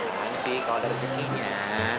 nanti kalau ada rezekinya